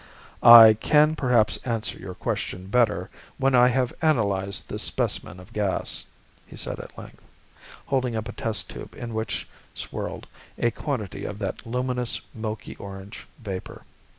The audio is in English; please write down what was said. "I can perhaps answer your question better when I have analyzed this specimen of gas," he said at length, holding up a test tube in which swirled a quantity of that luminous, milky orange vapor.